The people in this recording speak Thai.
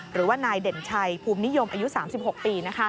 หรือว่านายเด่นชัยภูมินิยมอายุ๓๖ปี